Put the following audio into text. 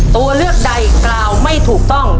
ตัวเลือกใดกล่าวไม่ถูกต้อง